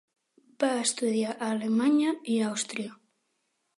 Va estudiar a Alemanya i Àustria.